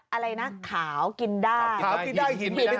อะไรนะขาวกินได้